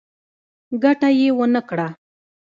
ګټه يې ونکړه.